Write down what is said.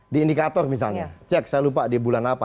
di indikator misalnya cek saya lupa di bulan apa